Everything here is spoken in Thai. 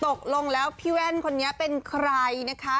ตกลงแล้วพี่แว่นคนนี้เป็นใครนะคะ